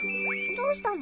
どうしたの？